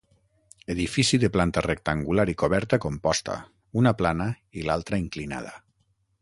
Edifici de planta rectangular i coberta composta, una plana i l'altra inclinada.